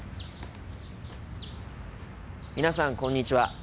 皆さんこんにちは。